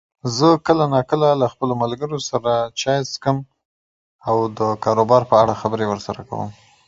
زه کله ناکله له خپلو ملګرو سره چای څکم، او د کاروبار په اړه خبري ورسره کوم